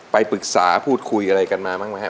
ไปปรึกษาพูดคุยอะไรกันมาบ้างไหมครับ